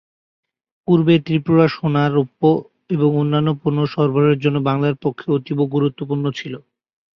পূর্বে, ত্রিপুরা সোনা, রৌপ্য এবং অন্যান্য পণ্য সরবরাহের জন্য বাংলার পক্ষে অতীব গুরুত্বপূর্ণ ছিল।